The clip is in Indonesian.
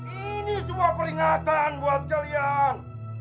ini semua peringatan buat kalian